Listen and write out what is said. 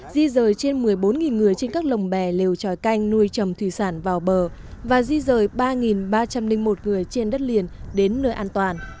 di rời trên một mươi bốn người trên các lồng bè lều tròi canh nuôi trầm thủy sản vào bờ và di rời ba ba trăm linh một người trên đất liền đến nơi an toàn